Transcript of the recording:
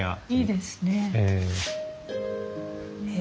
いいですね。